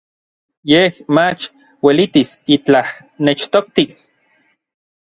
Yej mach uelitis itlaj nechtoktis.